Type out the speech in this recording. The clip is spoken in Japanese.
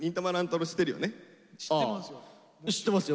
知ってますよ。